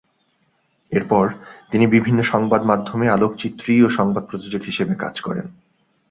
এরপর তিনি বিভিন্ন সংবাদ মাধ্যমে আলোকচিত্রী ও সংবাদ প্রযোজক হিসেবে কাজ করেন।